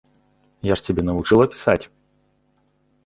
Я ж цябе навучыла пісаць?